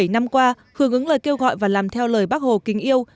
năm mươi bảy năm qua hưởng ứng lời kêu gọi và làm theo lời bác hồ kính yêu